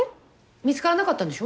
見つからなかったんでしょ？